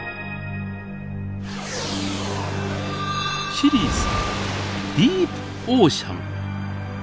シリーズ「ディープオーシャン」。